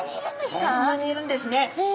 そんなにいるんですね。